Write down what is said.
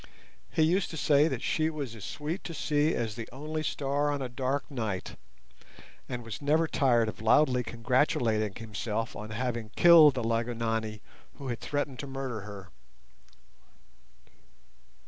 He used to say that she was as sweet to see as the only star on a dark night, and was never tired of loudly congratulating himself on having killed the Lygonani who had threatened to murder her.